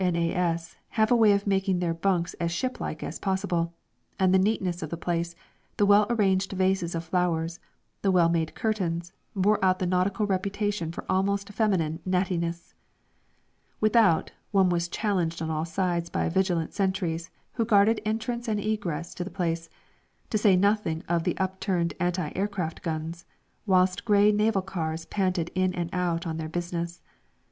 N.A.S. have a way of making their bunks as shiplike as possible, and the neatness of the place, the well arranged vases of flowers, the well made curtains, bore out the nautical reputation for almost feminine "nattiness." Without, one was challenged on all sides by vigilant sentries who guarded entrance and egress to the place, to say nothing of the upturned anti aircraft guns, whilst grey naval cars panted in and out on their business.